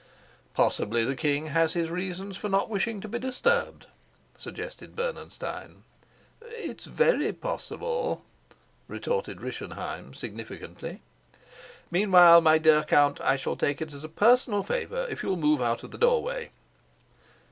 "Possibly the king has his reasons for not wishing to be disturbed," suggested Bernenstein. "It's very possible," retorted Rischenheim significantly. "Meanwhile, my dear count, I shall take it as a personal favor if you'll move out of the doorway."